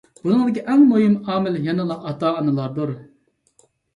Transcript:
بۇنىڭدىكى ئەڭ مۇھىم ئامىل يەنىلا ئاتا-ئانىلاردۇر.